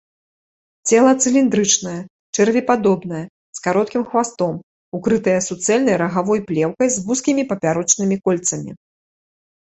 Цела цыліндрычнае, чэрвепадобнае, з кароткім хвастом, укрытае суцэльнай рагавой плеўкай э вузкімі папярочнымі кольцамі.